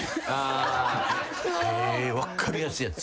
分かりやすいやつ？